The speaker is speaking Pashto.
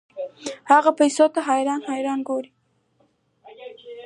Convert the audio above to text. هغه پیسو ته حیران حیران ګوري.